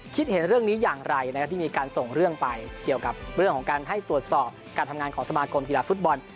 คิดเห็นเรื่องนี้อย่างไรนะครับที่มีการส่งเรื่องไปเกี่ยวกับเรื่องของการให้ตรวจสอบการทำงานของสมาคมกีฬาฟุตบอล